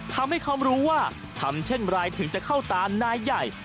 ทำให้เขารู้ว่าทำเช่นไรถึงจะเข้าตานายใหญ่